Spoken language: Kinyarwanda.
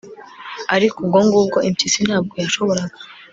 ariko ubwo ngubwo impyisi ntabwo yashoboraga